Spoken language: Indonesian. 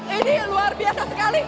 ini luar biasa sekali